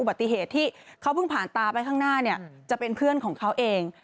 ปฏิเหตุที่เขาเพิ่งผ่านตาไปข้างหน้าเนี่ยจะเป็นเพื่อนของเขาเอง